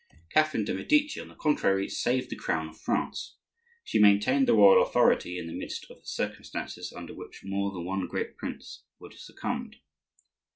Catherine de' Medici, on the contrary, saved the crown of France; she maintained the royal authority in the midst of circumstances under which more than one great prince would have succumbed.